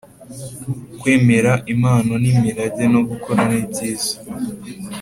Kwemera impano n imirage no gukora nibyiza